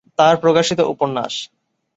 তাঁর প্রকাশিত উপন্যাস-